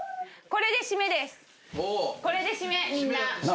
これでシメみんな。